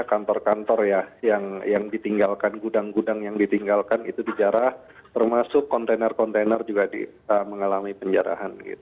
kantor kantor ya yang ditinggalkan gudang gudang yang ditinggalkan itu dijarah termasuk kontainer kontainer juga mengalami penjarahan